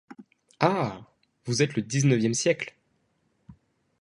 Ah! vous êtes le dix-neuvième siècle?